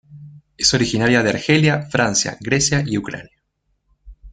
Es originaria de Argelia, Francia, Grecia y Ucrania.